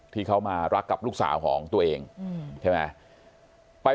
ที่เขามารักกับลูกสาวของตัวเองใช่ไหม